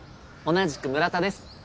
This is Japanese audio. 同じく村田です。